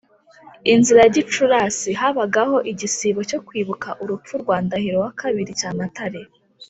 inzira ya gicurasi: habaga igisibo cyo kwibuka urupfu rwa ndahiro ii cyamatare